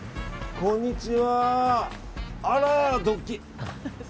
こんにちは。